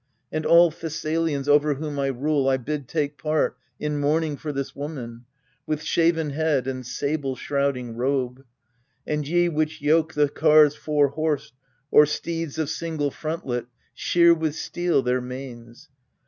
And all Thessalians over whom I rule I bid take part in mourning for this woman, With shaven head and sable shrouding robe. And ye which yoke the cars four horsed, or steeds Of single frontlet, shear with steel their manes.